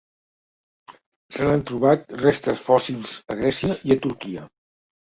Se n'han trobat restes fòssils a Grècia i a Turquia.